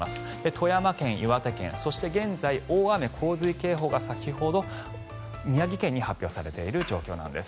富山県、岩手県そして現在、大雨・洪水警報が先ほど宮城県に発表されている状況なんです。